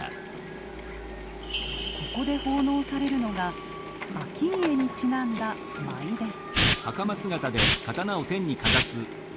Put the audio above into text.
ここで奉納されるのが顕家にちなんだ舞です。